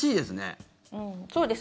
そうです。